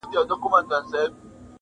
د انتظار د هاړ تودو غرمو وهلے صابر